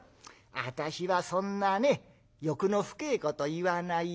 私はそんなね欲の深えこと言わないよ。